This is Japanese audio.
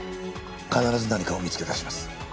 必ず何かを見つけ出します。